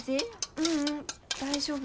ううん大丈夫。